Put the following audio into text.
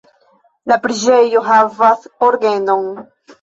La preĝejo havas orgenon.